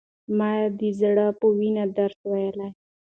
مې د زړه په وينو درس وويل.